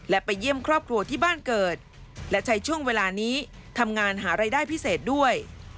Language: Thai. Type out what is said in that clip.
และไปเยี่ยมครอบครัวที่บ้านเกิดและใช้ช่วงเวลานี้ทำงานหารายได้พิเศษด้วย